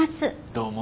どうも。